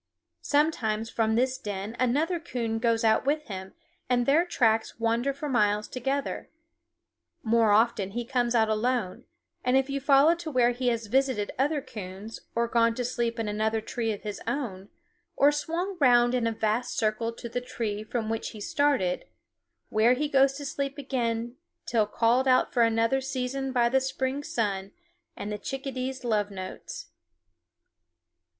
Sometimes from this den another coon goes out with him, and their tracks wander for miles together; more often he comes out alone, and you follow to where he has visited other coons, or gone to sleep in another tree of his own, or swung round in a vast circle to the tree from which he started, where he goes to sleep again till called out for another season by the spring sun and the chickadee's love notes.